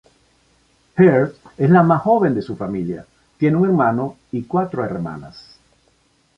Heart es la más joven de su familia, tiene un hermano y cuatro hermanas.